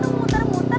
makan di restoran mahal